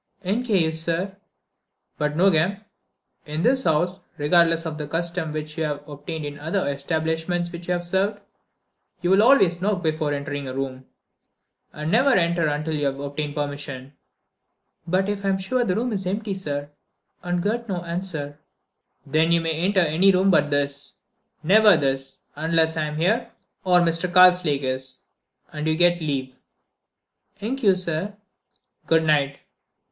"'Nk you, sir." "But Nogam: in this house, regardless of the custom which may have obtained in other establishments where you have served, you will always knock before entering a room, and never enter until you obtain permission." "But if I'm sure the room is empty, sir, and get no answer—?" "Then you may enter any room but this. Never this, unless I am here—or Mr. Karslake is—and you get leave." "'Nk you, sir." "Good night."